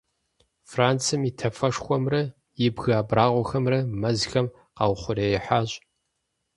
Францием и тафэшхуэхэмрэ и бгы абрагъуэхэмрэ мэзхэм къаухъуреихьащ.